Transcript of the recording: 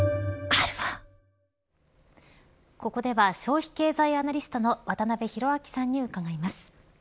ここでは消費経済アナリストの渡辺広明さんに伺います。